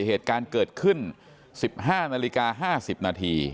เหตุการณ์เกิดขึ้น๑๕นาฬิกา๕๐นาที